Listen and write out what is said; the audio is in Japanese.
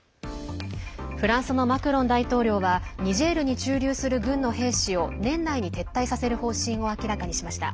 フランスのマクロン大統領はニジェールに駐留する軍の兵士を年内に撤退させる方針を明らかにしました。